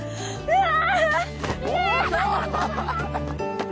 うわ！